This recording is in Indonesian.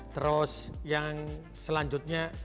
terus yang selanjutnya